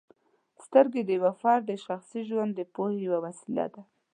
سترګې د یو فرد د شخصي ژوند د پوهې یوه وسیله ده.